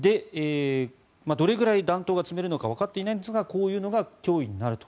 どれぐらい弾頭が積めるのかわかっていないんですがこういうのが脅威になると。